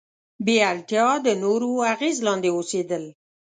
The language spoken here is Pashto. بې اړتیا د نورو اغیز لاندې اوسېدل.